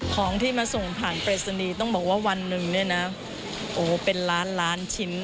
ของที่มาส่งผ่านปริศนีย์ต้องบอกว่าวันหนึ่งเนี่ยนะโอ้เป็นล้านล้านชิ้น